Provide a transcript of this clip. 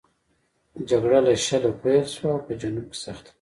جګړه له شله پیل شوه او په جنوب کې سخته وه.